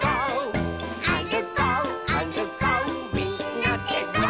「あるこうあるこうみんなでゴー！」